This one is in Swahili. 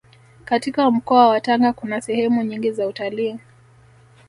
katika mkoa wa Tanga kuna sehemu nyingi za utalii